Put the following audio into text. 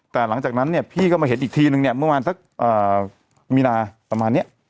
แต่หลังจากนั้นพี่เข้ามาเห็นอีกทีหนึ่งเมื่อวานแต่มีราศห์ประมาณนี้